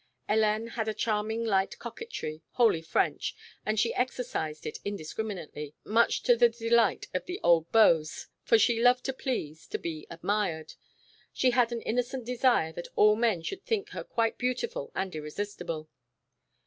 Hélène had a charming light coquetry, wholly French, and she exercised it indiscriminately, much to the delight of the old beaux, for she loved to please, to be admired; she had an innocent desire that all men should think her quite beautiful and irresistible.